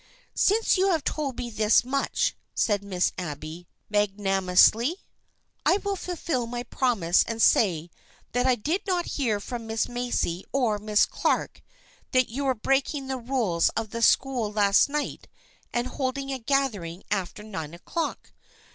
" Since you have told me this much," said Miss Abby, magnanimously, " I will fulfil my promise and say that I did not hear from Miss Macy or Miss Clark that you were breaking the rules of the school last night and holding a gathering after nine o'clock.